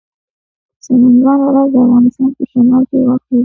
سمنګان ولایت د افغانستان په شمال کې واقع دی.